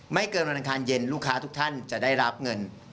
เกินวันอังคารเย็นลูกค้าทุกท่านจะได้รับเงิน